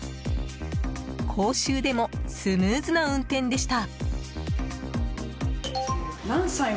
講習でもスムーズな運転でした。